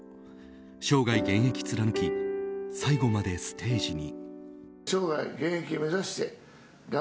生涯現役貫き最後までステージに。